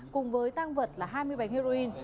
cùng với tăng vật là hai mươi bánh heroin